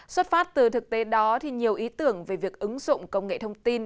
xuất phát từ thực tế đó nhiều ý tưởng về việc ứng dụng công nghệ thông tin